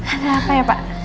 ada apa ya pak